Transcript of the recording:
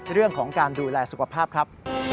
เรื่องของการดูแลสุขภาพครับ